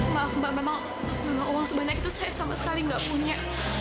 maaf mbak memang uang sebanyak itu saya sama sekali nggak punya